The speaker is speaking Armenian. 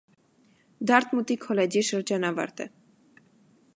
Դարտմուտի քոլեջի շրջանավարտ է։